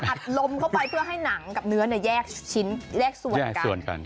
อัดลมเข้าไปเพื่อให้หนังกับเนื้อแยกชิ้นแยกส่วนกัน